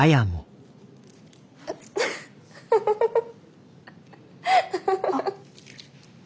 フフフフフ。